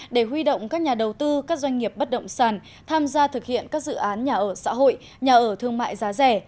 để huy động các nhà đầu tư các doanh nghiệp bất động sản tham gia thực hiện các dự án nhà ở xã hội nhà ở thương mại giá rẻ